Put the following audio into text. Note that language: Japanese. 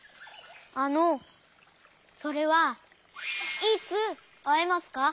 あのそれはいつあえますか？